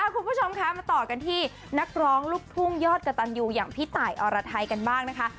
คุณผู้ชมคะมาต่อกันที่นักร้องลูกทุ่งยอดกระตันยูอย่างพี่ตายอรไทยกันบ้างนะคะ